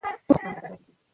نه یې شې زده کولی؟